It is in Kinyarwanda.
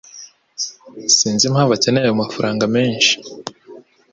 Sinzi impamvu akeneye ayo mafranga menshi.